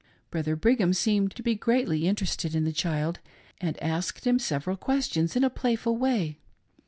Brother Brigham seemed to be greatly interested in the child, and asked him several questions in a playful way.